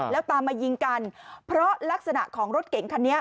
แล้วตามมายิงกันเพราะลักษณะของรถเก๋งคันนี้